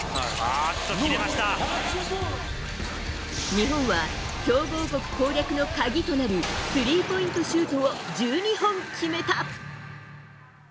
日本は強豪国攻略の鍵となるスリーポイントシュートを１２本決めた。